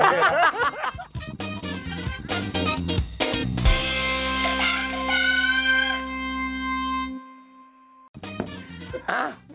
ตั้งสาม